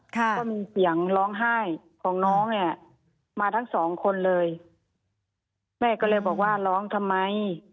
ก็มีเสียงร้องไห้ของน้องเนี่ยมาทั้งสองคนเลยแม่ก็เลยบอกว่าร้องทำไม